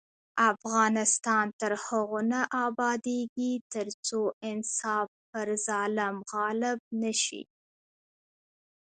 افغانستان تر هغو نه ابادیږي، ترڅو انصاف پر ظلم غالب نشي.